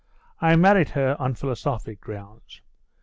I married her on philosophic grounds.